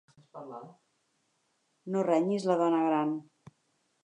No renyis la dona gran.